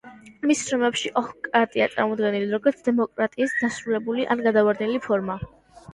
მის შრომებში ოხლოკრატია წარმოდგენილია, როგორც დემოკრატიის დასუსტებული ან გადაგვარებული ფორმა.